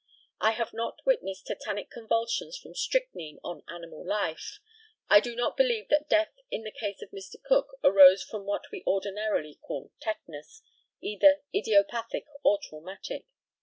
I have not witnessed tetanic convulsions from strychnine on animal life. I do not believe that death in the case of Mr. Cook arose from what we ordinarily call tetanus either idiopathic or traumatic.